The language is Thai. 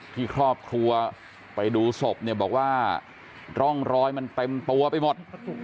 ที่ครอบครัวไปดูศพเนี่ยบอกว่าร่องรอยมันเต็มตัวไปหมด